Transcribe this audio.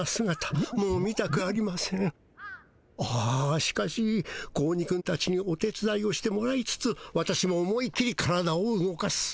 ああしかし子鬼くんたちにお手つだいをしてもらいつつ私も思い切り体を動かす。